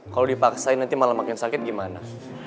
kalau dipaksain nanti malah makin sakit gimana